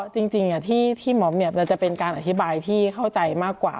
จริงที่มอบจะเป็นการอธิบายที่เข้าใจมากกว่า